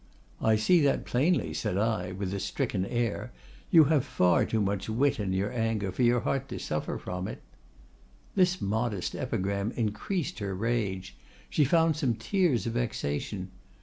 '—'I see that plainly,' said I, with a stricken air; 'you have far too much wit in your anger for your heart to suffer from it.'—This modest epigram increased her rage; she found some tears of vexation.